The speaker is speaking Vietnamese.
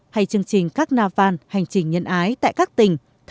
hay chương trình các na văn hành trình nhân ái